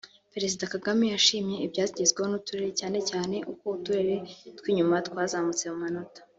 Perezida Kagame yashimye ibyagezweho n’uturere cyane cyane uko uturere tw’inyuma twazamutse mu manota